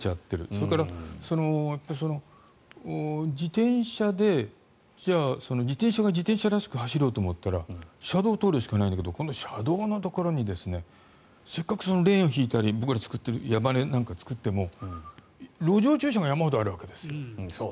それから、自転車が自転車らしく走ろうと思ったら車道を通るしかないんだけど車道のところにせっかくレーンを引いたり僕らが作っても路上駐車が山ほどあるわけです。